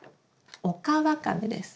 オカワカメです。